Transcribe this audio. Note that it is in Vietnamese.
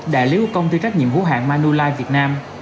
đại lý công ty trách nhiệm hữu hạng manulife việt nam